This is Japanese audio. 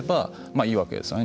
いいわけですよね。